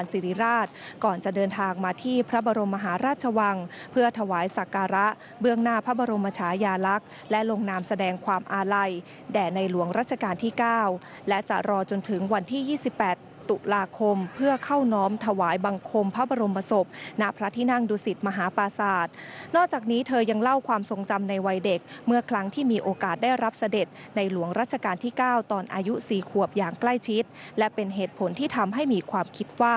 ลักษณ์และลงนามแสดงความอาลัยแด่ในหลวงรัชกาลที่๙และจะรอจนถึงวันที่๒๘ตุลาคมเพื่อเข้าน้อมถวายบังคมพระบรมศพณพระธินังดุสิตมหาภาษานอกจากนี้เธอยังเล่าความทรงจำในวัยเด็กเมื่อครั้งที่มีโอกาสได้รับเสด็จในหลวงรัชกาลที่๙ตอนอายุ๔ควบอย่างใกล้ชิดและเป็นเหตุผลที่ทำให